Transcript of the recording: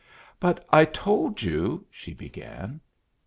"But I told you " she began.